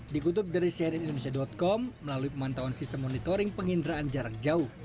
dikutuk dari syariahindonesia com melalui pemantauan sistem monitoring penginderaan jarak jauh